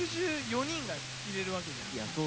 ６４人が入れるわけじゃん。